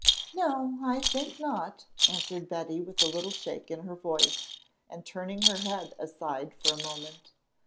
"No, I think not," answered Betty with a little shake in her voice, and turning her head aside for a moment.